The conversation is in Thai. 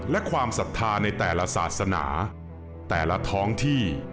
และความศรัทธาในแต่ละศาสนาแต่ละท้องที่